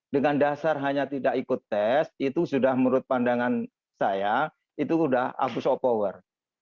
dengan dasar hanya tidak ikut tes itu sudah menurut pandangan saya itu sudah abuse of power